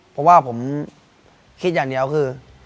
เพราะว่าผมคิดอย่างเดียวคือ